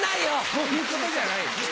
そういうことじゃないよ。